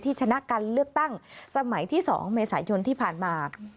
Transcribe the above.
ชนะการเลือกตั้งสมัยที่๒เมษายนที่ผ่านมา